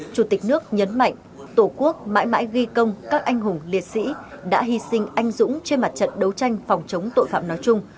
chủ tịch nước nhấn mạnh tổ quốc mãi mãi ghi công các anh hùng liệt sĩ đã hy sinh anh dũng trên mặt trận đấu tranh phòng chống tội phạm nói chung